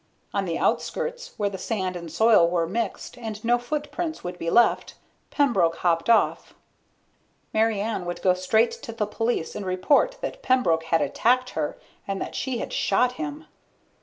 On the outskirts, where the sand and soil were mixed and no footprints would be left, Pembroke hopped off. Mary Ann would go straight to the police and report that Pembroke had attacked her and that she had shot him.